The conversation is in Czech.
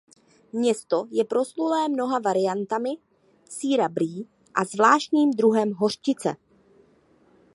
Město je proslulé mnoha variantami sýra Brie a zvláštním druhem hořčice.